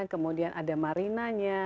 kemudian ada marinanya